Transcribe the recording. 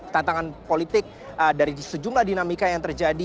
tantangan politik dari sejumlah dinamika yang terjadi